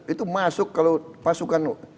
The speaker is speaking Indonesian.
itu masuk kalau pasukan